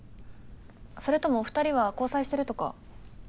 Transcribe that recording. それともお二人は交際してるとか？